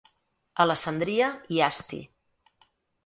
Alessandria i Asti.